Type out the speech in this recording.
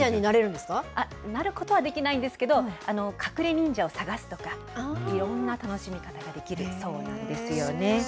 なることはできないんですけど、隠れ忍者を探すとか、いろんな楽しみ方ができるそうなんですよね。